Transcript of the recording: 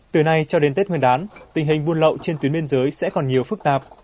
từ nay cho đến tết nguyên đán tình hình buôn lậu trên tuyến biên giới sẽ còn nhiều phức tạp